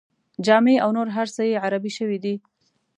جامې او نور هر څه یې عربي شوي دي.